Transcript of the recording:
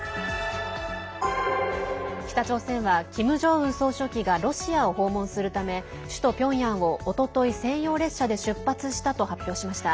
北朝鮮はキム・ジョンウン総書記がロシアを訪問するため首都ピョンヤンをおととい専用列車で出発したと発表しました。